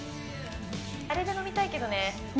あれが飲みたいけどね。